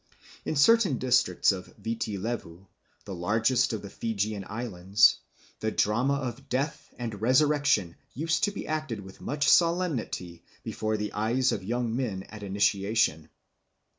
In certain districts of Viti Levu, the largest of the Fijian Islands, the drama of death and resurrection used to be acted with much solemnity before the eyes of young men at initiation.